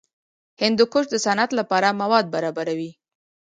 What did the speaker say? هندوکش د صنعت لپاره مواد برابروي.